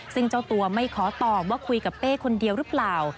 ซึ่งเจ้าตัวไม่ขอตอบว่าคุยกับเป้คนเดียวหรือเปล่า